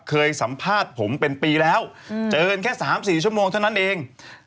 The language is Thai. เคยสัมภาษณ์ผมเป็นปีแล้วเจอกันแค่๓๔ชั่วโมงเท่านั้นเอง